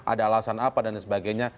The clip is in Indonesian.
ada alasan apa dan sebagainya